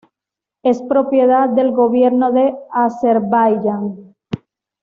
Es propiedad del Gobierno de Azerbaiyán.